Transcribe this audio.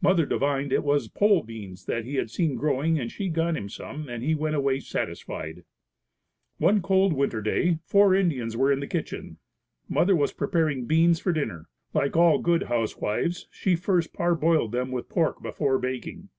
Mother divined it was pole beans that he had seen growing and she got him some and he went away satisfied. One cold winter day four Indians were in the kitchen. Mother was preparing beans for dinner. Like all good housewives she first parboiled them with pork before baking.